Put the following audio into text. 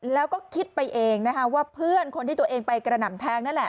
แล้วก็คิดไปเองนะคะว่าเพื่อนคนที่ตัวเองไปกระหน่ำแทงนั่นแหละ